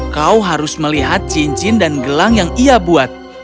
kau harus melihat cincin dan gelang yang ia buat